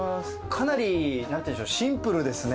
かなり、なんていうんでしょう、シンプルですね。